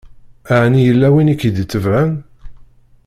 Ɛni yella win k-id-itebɛen